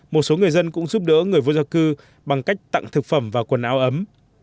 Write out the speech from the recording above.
một số người dân cũng giúp đỡ người vô gia cư bằng cách tặng thực phẩm và quần áo ấm